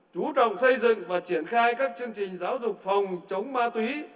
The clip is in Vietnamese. chú trọng xây dựng và triển khai các chương trình giáo dục phòng chống ma túy